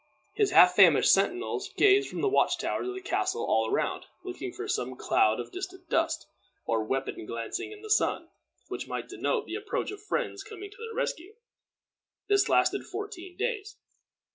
His half famished sentinels gazed from the watch towers of the castle all around, looking for some cloud of distant dust, or weapon glancing in the sun, which might denote the approach of friends coming to their rescue. This lasted fourteen days.